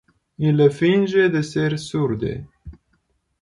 Ille finge de ser surde.